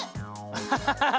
ハハハハハ。